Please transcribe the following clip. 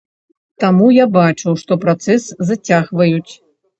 Таму я бачу, што працэс зацягваюць.